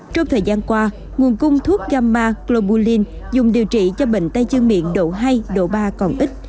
trong thời gian qua nguồn cung thuốc gamma globalin dùng điều trị cho bệnh tay chân miệng độ hai độ ba còn ít